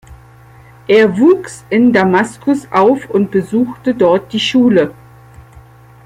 Er wuchs in Damaskus auf und besuchte dort die Schule.